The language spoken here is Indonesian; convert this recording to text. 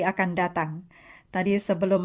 akan datang tadi sebelum